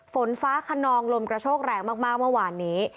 ฝนฟ้าขนองลมกระโชกแรงมากเมื่อวานนี้